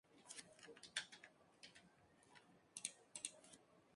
Las diferencias son en todo caso mínimas y el ibicenco es muy uniforme.